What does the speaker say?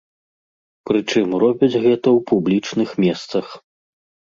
Прычым робяць гэта ў публічных месцах.